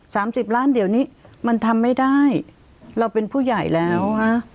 สามสิบล้านเดี๋ยวนี้มันทำไม่ได้เราเป็นผู้ใหญ่แล้วฮะ